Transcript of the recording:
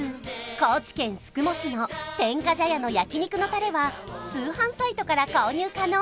高知県宿毛市の天下茶屋の焼肉のタレは通販サイトから購入可能！